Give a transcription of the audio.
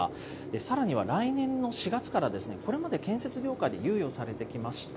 さらには来年の４月から、これまで建設業界で猶予されてきました